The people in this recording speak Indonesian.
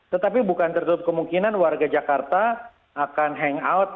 tetapi bukan tertutup kemungkinan warga jakarta akan hangout